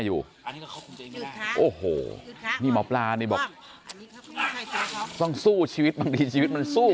โอ้โหนี่หมอปลานี่บอกต้องสู้ชีวิตบางทีชีวิตมันสู้